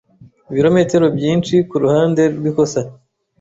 ibirometero byinshi kuruhande rwikosa